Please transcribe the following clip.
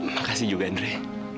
makasih juga andre